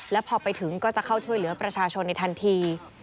แล้วพอไปถึงก็จะเข้าช่วยเหลือประชาชนในทันที